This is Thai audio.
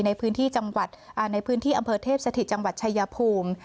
ในพื้นที่อำเภอเทพสถิติจังหวัดชายภูมิ